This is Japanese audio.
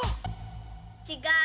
ちがう。